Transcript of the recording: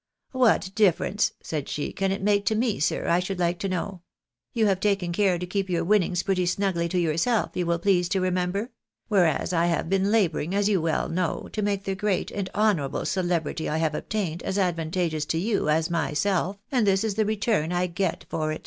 " What difference," said she, " can it make to me, sir, I should like to know ? You have taken care to keep your winnings pretty snugly to yourself, you will please to remember ; whereas I have been labouring, as you well know, to make the great and honourable celebrity I have obtained as advantageous to you as myself, and this is the return I get for it."